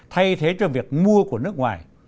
thay thế cho việc mua của nước ngoài